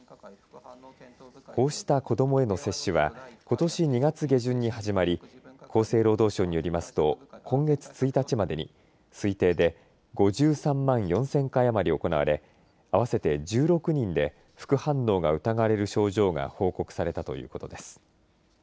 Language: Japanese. こうした子どもへの接種はことし２月下旬に始まり厚生労働省によりますと今月１日までに推定で５３万４０００回余り行われ合わせて１６人で副反応が疑われる症状が報告されたということです。